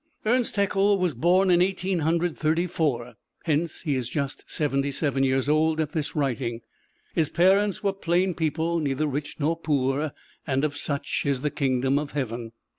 Ernst Haeckel was born in Eighteen Hundred Thirty four, hence he is just seventy seven years old at this writing. His parents were plain people, neither rich nor poor and of such is the Kingdom of Heaven.